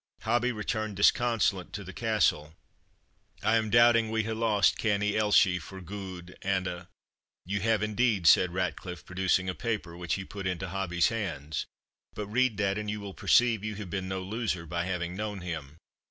Hobbie returned disconsolate to the castle. "I am doubting we hae lost Canny Elshie for gude an' a'." "You have indeed," said Ratcliffe, producing a paper, which he put into Hobbie's hands; "but read that, and you will perceive you have been no loser by having known him."